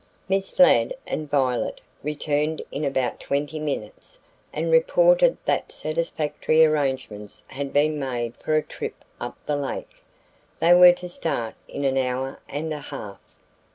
Miss Ladd and Violet returned in about twenty minutes and reported that satisfactory arrangements had been made for a trip up the lake. They were to start in an hour and a half.